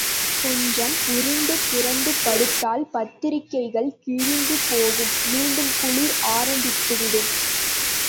கொஞ்சம் உருண்டு புரண்டு படுத்தால் பத்திரிகைகள் கிழிந்துபோகும் மீண்டும் குளிர் ஆரம்பித்துவிடும்.